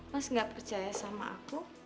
mas gak percaya sama aku